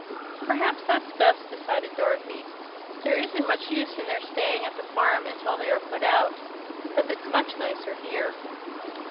"Perhaps that's best," decided Dorothy. "There isn't much use in their staying at the farm until they are put out, 'cause it's much nicer here."